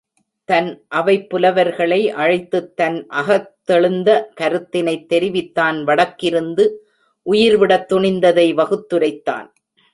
தன் அவைப் புலவர்களை அழைத்தான் தன் அகத்தெழுந்த கருத்தினைத் தெரிவித்தான் வடக்கிருந்து உயிர்விடத் துணிந்ததை வகுத்துரைத்தான்.